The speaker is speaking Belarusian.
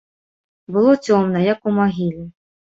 Было цёмна, як у магіле.